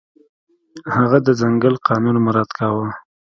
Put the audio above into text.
هغه د ځنګل قانون مراعت کاوه.